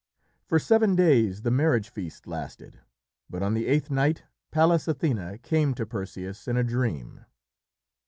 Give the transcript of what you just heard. For seven days the marriage feast lasted, but on the eighth night Pallas Athené came to Perseus in a dream.